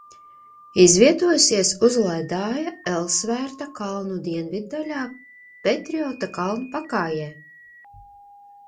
Izvietojusies uz ledāja Elsvērta kalnu dienviddaļā Petriota kalnu pakājē.